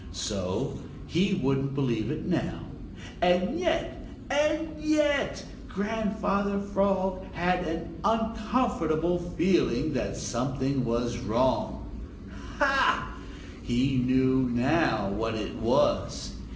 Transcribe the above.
So he wouldn't believe it now. And yet and yet Grandfather Frog had an uncomfortable feeling that something was wrong. Ha! he knew now what it was!